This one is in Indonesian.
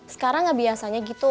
sekarang gak biasanya gitu